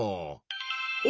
お！